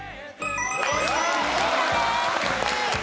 正解です。